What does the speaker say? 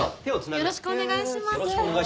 よろしくお願いしますじゃない。